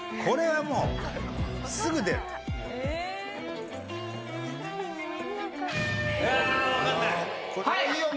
これはもうすぐ出る。